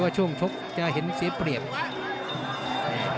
ช่วงชกจะเห็นเสียเปรียบ